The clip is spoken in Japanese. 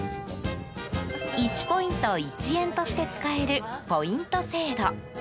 １ポイント１円として使えるポイント制度。